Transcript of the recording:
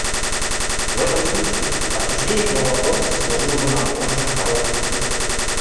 В этом случае обсуждение этого вопроса сослужило бы нам позже хорошую службу.